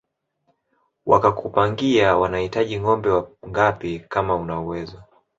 Wakakupangia wanahitaji ngombe wangapi kama una uwezo